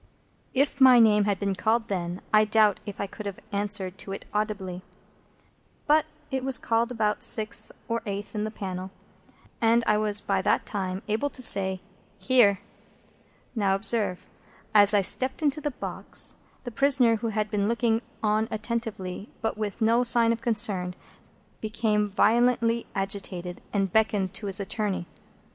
If my name had been called then, I doubt if I could have answered to it audibly. But it was called about sixth or eighth in the panel, and I was by that time able to say, "Here!" Now, observe. As I stepped into the box, the prisoner, who had been looking on attentively, but with no sign of concern, became violently agitated, and beckoned to his attorney.